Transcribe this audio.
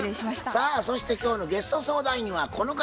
さあそして今日のゲスト相談員はこの方。